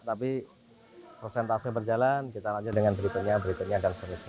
tapi prosentase berjalan kita lanjut dengan berikutnya berikutnya dan seterusnya